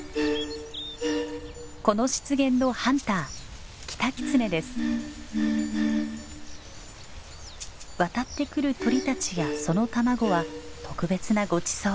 この湿原のハンター渡ってくる鳥たちやその卵は特別なごちそう。